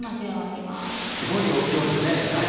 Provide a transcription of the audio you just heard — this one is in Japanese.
すごい量ですね野菜が。